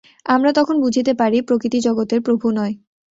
আমরা তখন বুঝিতে পারি, প্রকৃতি জগতের প্রভু নয়।